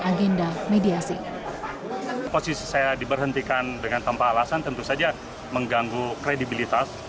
agenda mediasi posisi saya diberhentikan dengan tanpa alasan tentu saja mengganggu kredibilitas